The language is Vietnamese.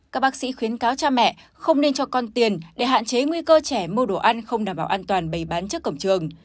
các bác sĩ khuyến cáo cha mẹ không nên cho con tiền để hạn chế nguy cơ trẻ mua đồ ăn không đảm bảo an toàn bày bán trước cổng trường